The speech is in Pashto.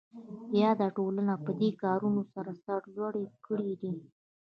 یاده ټولنه پدې کارونو سره سرلوړې کړې ده.